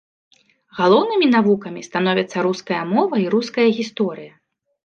Галоўнымі навукамі становяцца руская мова і руская гісторыя.